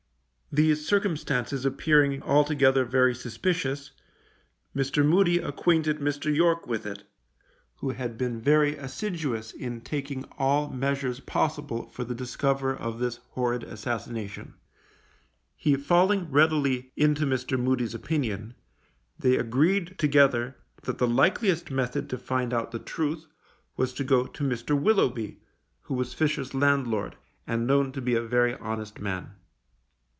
These circumstances appearing altogether very suspicious, Mr. Moody acquainted Mr. York with it, who had been very assiduous in taking all measures possible for the discover of this horrid assassination. He falling readily into Mr. Moody's opinion, they agreed together that the likeliest method to find out the truth was to go to Mr. Willoughby, who was Fisher's landlord, and known to be a very honest man.